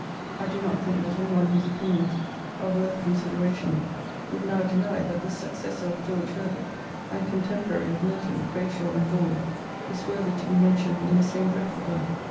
I do not think that any one whose opinions are worth consideration would now deny that this successor of George Herbert, and contemporary of Milton, Crashaw and Vaughan, is worthy to be men tioned in the same breath with them.